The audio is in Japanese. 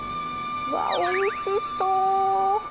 わー、おいしそう。